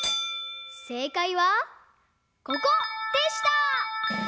せいかいはここでした！